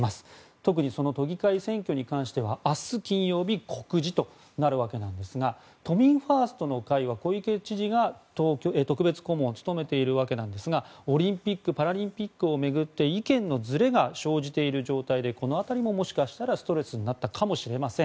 特に都議会選挙に関しては明日金曜日告示となるわけなんですが都民ファースト会は小池知事が特別顧問を務めているわけですがオリンピック・パラリンピックを巡って意見のずれが生じている状態でこの辺りももしかしたらストレスになったかもしれません。